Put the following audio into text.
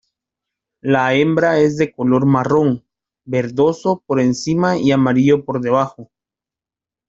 La hembra es de color marrón verdoso por encima y amarillo por debajo.